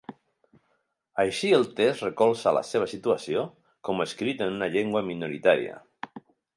Així el text recolza la seva situació com escrit en una llengua minoritària.